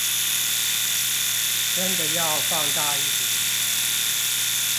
真的要放大一點